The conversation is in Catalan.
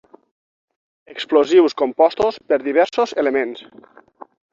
Explosius compostos per diversos elements.